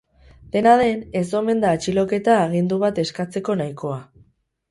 Dena den, ez omen da atxiloketa agindu bat eskatzeko nahikoa.